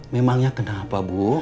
memangnya kenapa bu